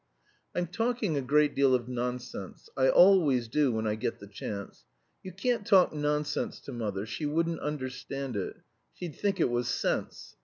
"I'm talking a great deal of nonsense; I always do when I get the chance. You can't talk nonsense to mother; she wouldn't understand it. She'd think it was sense.